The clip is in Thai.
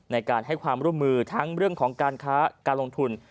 ในการให้ความร่วมมือทั้งเรื่องของการค้าการลงทุน